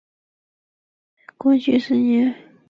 乐景涛生于清朝光绪十年。